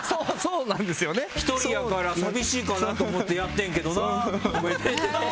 １人やから寂しいかなと思ってやってんけどなって。